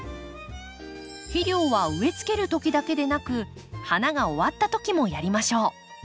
肥料は植えつけるときだけでなく花が終わったときもやりましょう。